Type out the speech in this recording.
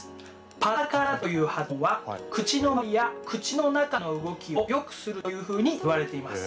「パタカラ」という発音は口の周りや口の中の動きをよくするというふうにいわれています。